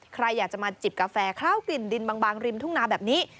ใครอยากจะมาจิบกาแฟคล้าวกลิ่นดินบางริมทุ่งนาแบบนี้